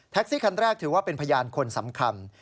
ซี่คันแรกถือว่าเป็นพยานคนสำคัญ